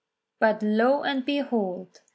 But lo and behold !